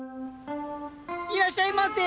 いらっしゃいませ。